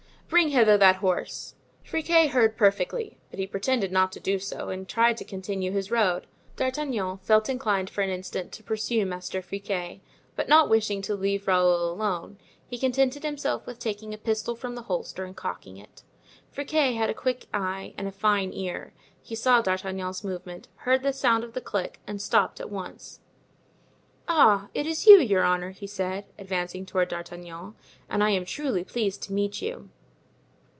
"Bring hither that horse." Friquet heard perfectly, but he pretended not to do so and tried to continue his road. D'Artagnan felt inclined for an instant to pursue Master Friquet, but not wishing to leave Raoul alone he contented himself with taking a pistol from the holster and cocking it. Friquet had a quick eye and a fine ear. He saw D'Artagnan's movement, heard the sound of the click, and stopped at once. "Ah! it is you, your honor," he said, advancing toward D'Artagnan; "and I am truly pleased to meet you."